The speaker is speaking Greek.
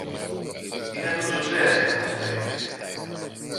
Είναι του Τζοτζέ, αποκρίθηκε.